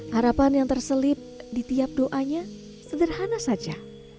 harapan yang terselip di tiap doanya sederhana saja